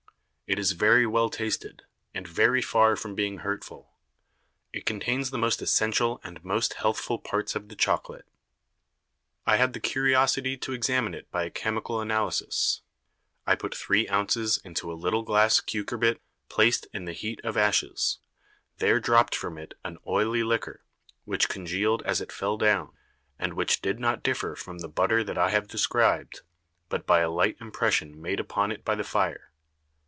It is very well tasted, and very far from being hurtful; it contains the most essential and most healthful Parts of the Chocolate. I had the Curiosity to examine it by a Chymical Analysis; I put three Ounces into a little Glass Cucurbit placed in the Heat of Ashes, there drop'd from it an oily Liquor, which congealed as it fell down, and which did not differ from the Butter that I have described, but by a light Impression made upon it by the Fire.